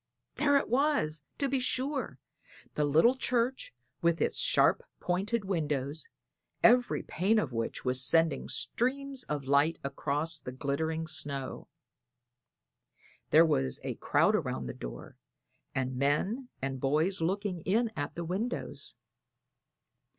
There it was, to be sure the little church with its sharp pointed windows, every pane of which was sending streams of light across the glittering snow. There was a crowd around the door, and men and boys looking in at the windows.